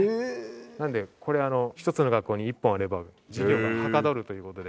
なのでこれ１つの学校に１本あれば授業がはかどるという事で。